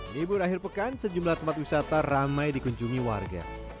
libur akhir pekan sejumlah tempat wisata ramai dikunjungi warga